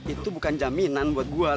itu bukan jaminan buat gue